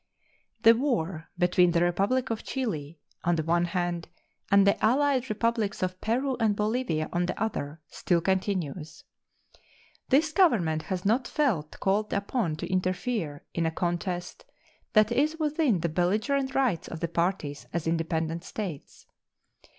The war between the Republic of Chile on the one hand and the allied Republics of Peru and Bolivia on the other still continues. This Government has not felt called upon to interfere in a contest that is within the belligerent rights of the parties as independent states.